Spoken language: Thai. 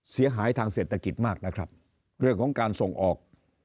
เสียหายทางเศรษฐกิจมากนะครับเรื่องของการส่งออก